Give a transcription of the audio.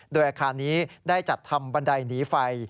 โดยอาคารนี้ได้จัดทำบันไดหนีไฟ